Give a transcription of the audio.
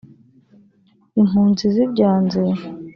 Impunzi zibyanze